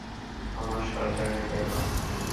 আমার শালটা এনে দে না!